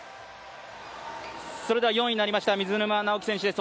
それでは４位になりました水沼尚輝選手です。